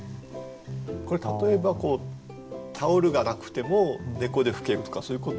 これ例えばタオルがなくても猫で拭けるとかそういうこと。